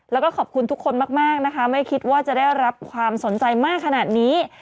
แล้วก็ขอบคุณทุกคนมากนะคะไม่คิดว่าจะได้รับความสนใจมากขนาดนี้